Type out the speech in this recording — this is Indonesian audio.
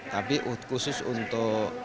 tapi khusus untuk